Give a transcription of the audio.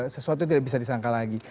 sesuatu yang tidak bisa disangka lagi